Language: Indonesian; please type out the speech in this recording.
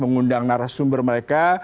mengundang narasumber mereka